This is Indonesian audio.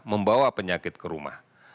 membawa penyakit ke rumah